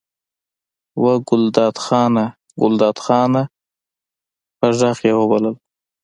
وه ګلداد خانه! ګلداد خانه! په غږ یې وبلل.